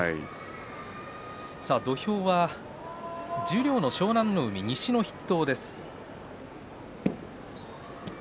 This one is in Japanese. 土俵は十両の湘南乃海西の筆頭です。